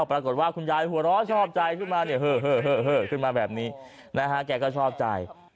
ปรากฏว่าคุณยายหัวเราะชอบใจขึ้นมาแบบนี้แกก็ชอบใจ